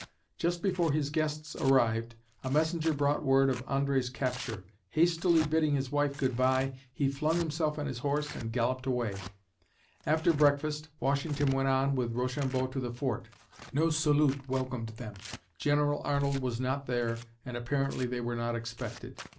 Just before his guests arrived, a messenger brought word of André's capture. Hastily bidding his wife good by, he flung himself on his horse and galloped away. After breakfast, Washington went on with Rochambeau to the fort. No salute welcomed them. General Arnold was not there and apparently they were not expected.